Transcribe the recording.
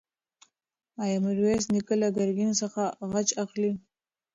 ایا میرویس نیکه له ګرګین څخه غچ اخلي؟